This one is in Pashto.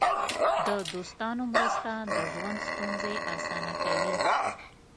د دوستانو مرسته د ژوند ستونزې اسانه کوي.